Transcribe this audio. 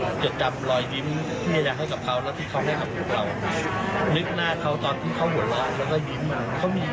เขามีจิตใจอยู่ในครั้งนี้กัน